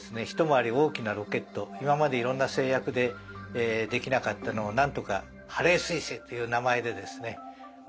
一回り大きなロケット今までいろんな制約でできなかったのをなんとかハレー彗星という名前でですね